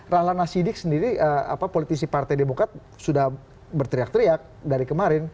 rahlana sidik sendiri politisi partai demokrat sudah berteriak teriak dari kemarin